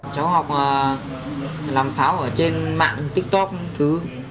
cháu học làm pháo ở trên mạng tiktok thứ